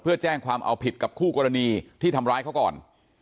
เพื่อแจ้งความเอาผิดกับคู่กรณีที่ทำร้ายเขาก่อน